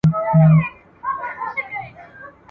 په قبر کي ئې اختلاف دئ.